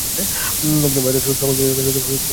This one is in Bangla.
তিনি ভারতের সকল তীর্থ-ক্ষেত্রে ভ্রমণ শুরু করেন।